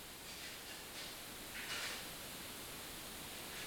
Trnka je rozšířená od nížin až do horského pásu po celé Evropě.